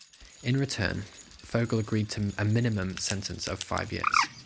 In return, Fogle agreed to a minimum sentence of five years.